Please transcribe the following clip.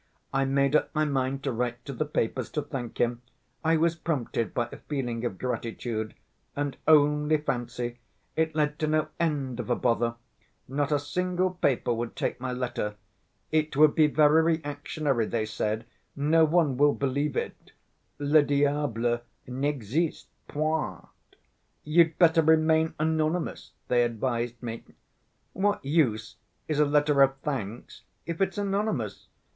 I made up my mind to write to the papers to thank him, I was prompted by a feeling of gratitude, and only fancy, it led to no end of a bother: not a single paper would take my letter. 'It would be very reactionary,' they said, 'no one will believe it. Le diable n'existe point. You'd better remain anonymous,' they advised me. What use is a letter of thanks if it's anonymous?